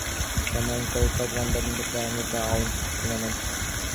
Suriname qualified one badminton player into the Olympic tournament.